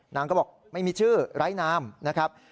นางก็บอกไม่มีชื่อไร้นามนะครับ